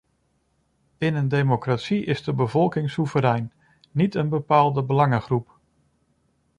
In een democratie is de bevolking soeverein, niet een bepaalde belangengroep.